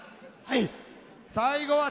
はい。